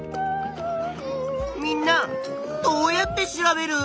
みんなどうやって調べる？